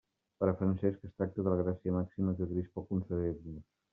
Per a Francesc es tracta de la gràcia màxima que Crist pot concedir-nos.